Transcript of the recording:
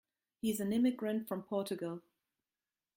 He's an immigrant from Portugal.